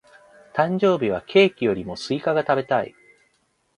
誕生日はケーキよりもスイカが食べたい。